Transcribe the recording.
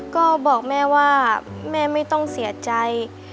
ก็บอกแม่ว่าแม่ไม่ต้องเสียใจ